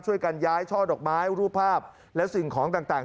การย้ายช่อดอกไม้รูปภาพและสิ่งของต่าง